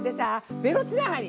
ベロつながり。